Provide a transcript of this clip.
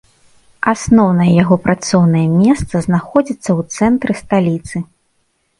Асноўнае яго працоўнае месца знаходзіцца ў цэнтры сталіцы.